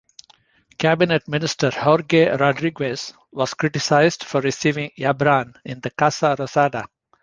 Cabinet Minister Jorge Rodriguez was criticized for receiving Yabran in the Casa Rosada.